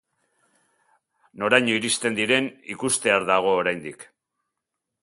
Noraino iristen diren ikustear dago oraindik.